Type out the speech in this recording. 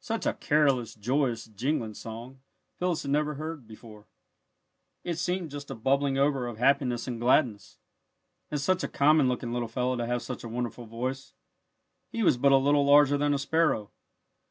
Such a careless, joyous, jingling song Phyllis had never before heard. It seemed just a bubbling over of happiness and gladness. And such a common looking little fellow to have such a wonderful voice! He was but a little larger than a sparrow.